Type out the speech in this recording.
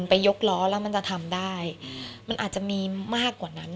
ไปยกล้อแล้วมันจะทำได้มันอาจจะมีมากกว่านั้น